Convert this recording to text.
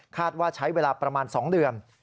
ว่าใช้เวลาประมาณ๒เดือน